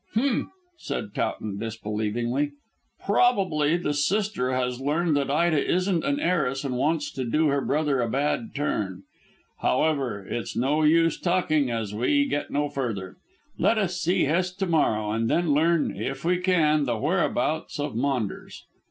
"Humph!" said Towton disbelievingly. "Probably the sister has learned that Ida isn't an heiress and wants to do her brother a bad turn. However, it's no use talking, as we get no further. Let us see Hest to morrow, and then learn, if we can, the whereabouts of Maunders.